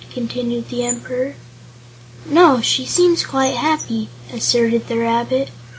continued the Emperor. "No; she seems quite happy," asserted the rabbit.